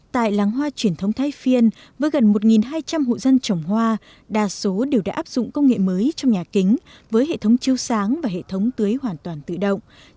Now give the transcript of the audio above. tại làng hoa truyền thống thái phiên với gần một hai trăm linh hộ dân trồng hoa đa số đều đã áp dụng công nghệ mới trong nhà kính với hệ thống chiêu sáng và hệ thống tưới hoàn toàn tự động